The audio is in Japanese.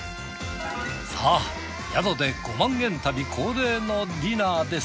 さぁ宿で５万円旅恒例のディナーです。